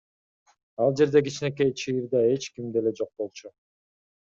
Ал жерде кичинекей чыйырда эч ким деле жок болчу.